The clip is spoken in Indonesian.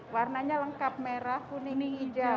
warnanya lengkap merah kuning hijau